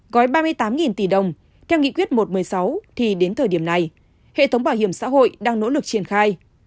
gói ba mươi tám tỷ đồng theo nghị quyết một trăm một mươi sáu thì đến thời điểm này hệ thống bảo hiểm xã hội đang nỗ lực triển khai